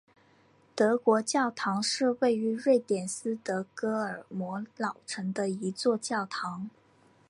德国教堂是位于瑞典斯德哥尔摩老城的一座教堂。